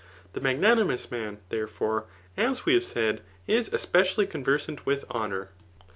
The magnani mous man, th€arefore,.as we have said, is especially, con versant with honour.